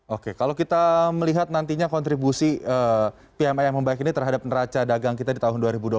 oke kalau kita melihat nantinya kontribusi pmi yang membaik ini terhadap neraca dagang kita di tahun dua ribu dua puluh satu